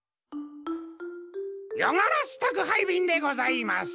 ヨガラス宅配便でございます。